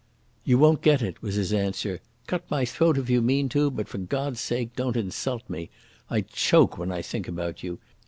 "You won't get it," was his answer. "Cut my throat if you mean to, but for God's sake don't insult me.... I choke when I think about you.